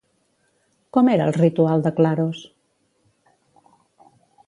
Com era el ritual de Claros?